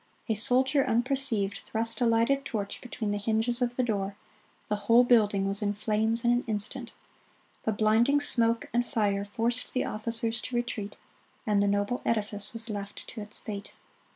A soldier, unperceived, thrust a lighted torch between the hinges of the door: the whole building was in flames in an instant. The blinding smoke and fire forced the officers to retreat, and the noble edifice was left to its fate.